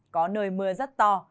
có nơi mưa rất to